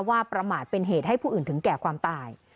ประมาทเป็นเหตุให้ผู้อื่นถึงแก่ความตาย